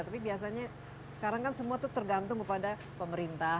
tapi biasanya sekarang kan semua itu tergantung kepada pemerintah